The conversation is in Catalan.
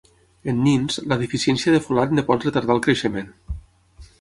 En nins, la deficiència de folat en pot retardar el creixement.